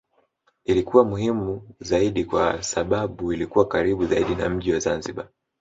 Ilikuwa muhimu zaidi kwa sababu ilikuwa karibu zaidi na mji wa Zanzibar